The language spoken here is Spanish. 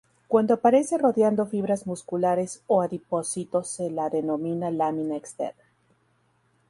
Cuando aparece rodeando fibras musculares o adipocitos se la denomina lámina externa.